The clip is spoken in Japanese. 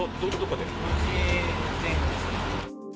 ４時前後です。